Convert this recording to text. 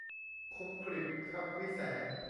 คมกฤษ คำวิแสง